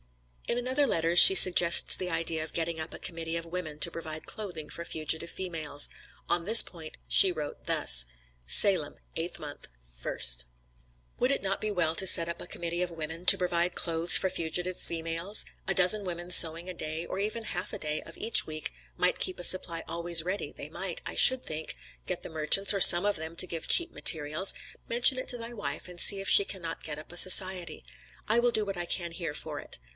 In another letter, she suggests the idea of getting up a committee of women to provide clothing for fugitive females; on this point she wrote thus: "SALEM, 8th mo., 1st. "Would it not be well to get up a committee of women, to provide clothes for fugitive females a dozen women sewing a day, or even half a day of each week, might keep a supply always ready, they might, I should think, get the merchants or some of them, to give cheap materials mention it to thy wife, and see if she cannot get up a society. I will do what I can here for it.